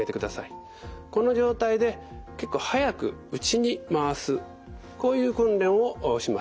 この状態で結構早く内に回すこういう訓練をします。